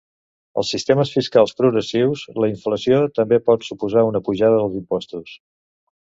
Als sistemes fiscals progressius, la inflació també pot suposar una pujada dels impostos.